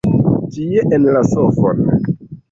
Tie en la sofon.